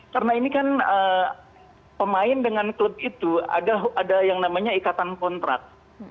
karena ini kan pemain dengan klub itu ada yang namanya ikatan kontrak